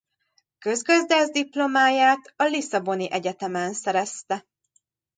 Közgazdász diplomáját a lisszaboni egyetemen szerezte.